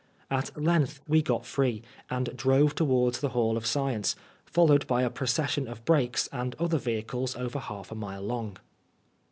At length we got free, and drove towards the Hall of Science, followed by a pro cession of brakes and other vehicles over half a mile long.